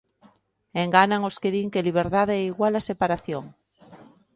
Enganan os que din que liberdade é igual a separación.